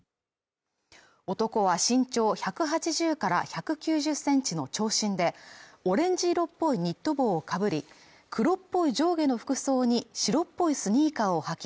男は身長１８０から１９０ｃｍの長身でオレンジ色っぽいニット帽をかぶり黒っぽい上下の服装に白っぽいスニーカーをはき